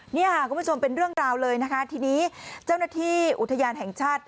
นี่ค่ะคุณผู้ชมเป็นเรื่องราวเลยนะคะทีนี้เจ้าหน้าที่อุทยานแห่งชาติ